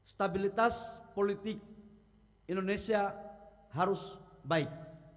stabilitas politik indonesia harus baik